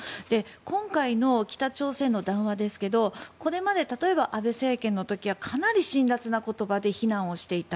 今回の北朝鮮の談話ですがこれまで例えば、安倍政権の時はかなり辛らつな言葉で非難をしていた。